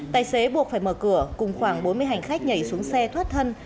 tài xế buộc phải mở cửa cùng khoảng bốn mươi hành khách nhảy xuống xe thoát thân